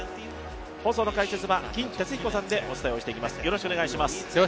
放送の解説は金哲彦さんでお伝えしていきます。